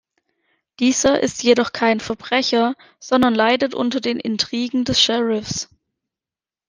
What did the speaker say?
Dieser ist jedoch kein Verbrecher, sondern leidet unter den Intrigen des Sheriffs.